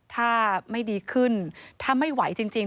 ถ้าไม่ดีขึ้นถ้าไม่ไหวจริง